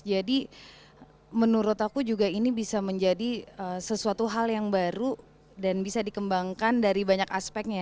jadi menurut aku juga ini bisa menjadi sesuatu hal yang baru dan bisa dikembangkan dari banyak aspeknya